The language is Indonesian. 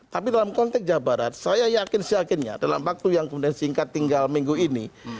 tapi dalam konteks jawa barat saya yakin seyakinnya dalam waktu yang kemudian singkat tinggal minggu ini